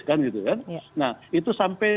kan gitu kan nah itu sampai